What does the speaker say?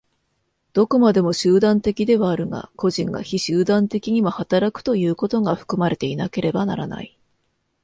どこまでも集団的ではあるが、個人が非集団的にも働くということが含まれていなければならない。